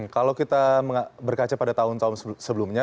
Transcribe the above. kalau kita berkaca pada tahun tahun sebelumnya